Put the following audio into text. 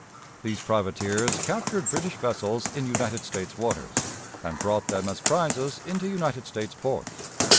These privateers captured British vessels in United States waters, and brought them as prizes into United States ports.